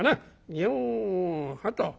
にょはと。